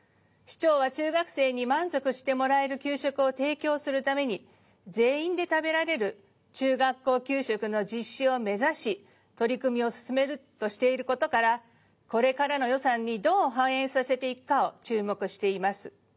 市長は中学生に満足してもらえる給食を提供するために全員で食べられる中学校給食の実施を目指し取組を進めるとしている事からこれからの予算にどう反映させていくかを注目しています。